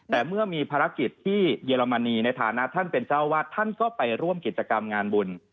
แต่เมื่อมีภารกิจที่เยอรมนีในฐานะท่านเป็นเจ้าวาดท่านก็ไปร่วมกิจกรรมงานบุญ